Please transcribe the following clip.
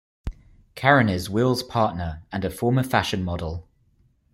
Karen is Will's partner and a former fashion model.